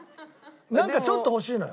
なんかちょっと欲しいのよ。